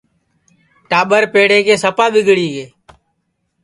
ٹاٻر پیڑے کے سپا ٻِگڑی گے